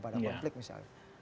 pada publik misalnya